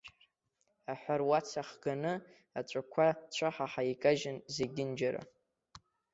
Аҳәаруац ахганы, аҵәақәа цәаҳаҳан икажьын зегьынџьара.